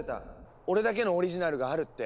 俺だけのオリジナルがあるって。